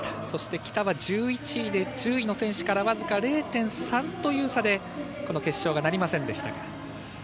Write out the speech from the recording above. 喜田は１１位で１０位の選手からわずか０．３という差で決勝はなりませんでした。